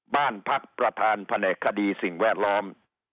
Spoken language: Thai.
บ้านพักประธานแผนกคดีสิ่งแวดล้อม